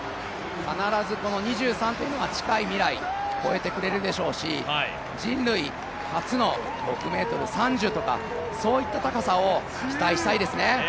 必ず２３というのは近い未来越えてくれるでしょうし人類初の６ｍ３０とかそういった高さを期待したいですね。